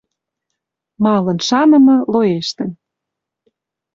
Ма ылын шынымы — лоэштӹн